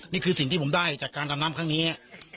นี่คือสิ่งที่ผมได้จากการดำน้ำครั้งนี้